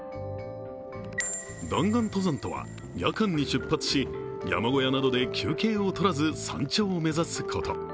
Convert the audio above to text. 弾丸登山とは夜間に出発し山小屋などで休憩を取らず山頂を目指すこと。